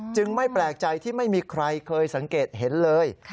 ไม่แปลกใจที่ไม่มีใครเคยสังเกตเห็นเลย